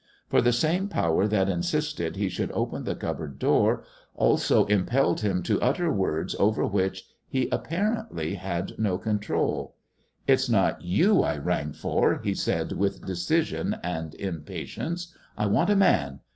For the same power that insisted he should open the cupboard door also impelled him to utter words over which he apparently had no control. "It's not you I rang for!" he said with decision and impatience, "I want a man.